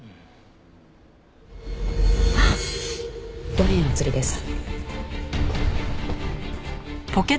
５円お釣りです。